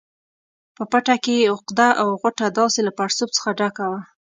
په پټه کې یې عقده او غوټه داسې له پړسوب څخه ډکه وه.